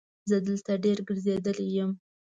زه دلته ډېر ګرځېدلی یم.